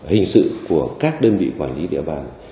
hình sự của các đơn vị quản lý địa bàn